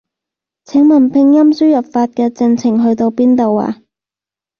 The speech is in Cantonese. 請問拼音輸入法嘅進程去到邊度啊？